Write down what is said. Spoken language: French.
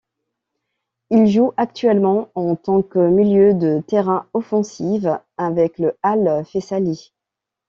Il joue actuellement en tant que milieu de terrain offensive avec le Al Faisaly.